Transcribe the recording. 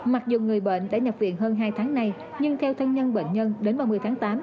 mặc dù người bệnh đã nhập viện hơn hai tháng nay nhưng theo thân nhân bệnh nhân đến ba mươi tháng tám